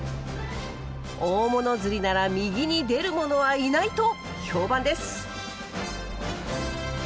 大物釣りなら右に出る者はいないと評判です。